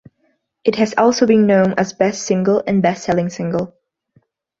It has also been known as Best Single and Best Selling Single.